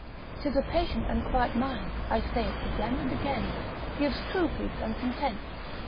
'Tis a patient and quiet mind (I say it again and again) gives true peace and content.